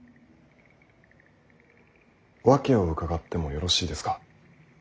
訳を伺ってもよろしいですか。